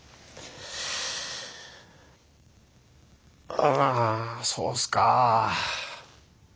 ああそうっすか。